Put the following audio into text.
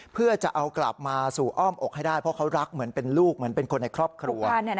เพื่อจะเอากลับมาสู่อ้อมอกให้ได้เพราะเขารักเหมือนเป็นลูกเหมือนเป็นคนในครอบครัว